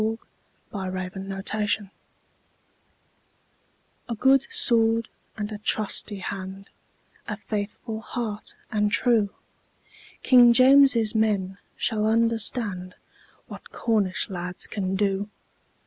"Trelawny"[edit] A good sword and a trusty hand! A merry heart and true! King James's men shall understand What Cornish lads can do!